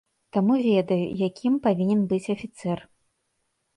Таму ведаю, якім павінен быць афіцэр.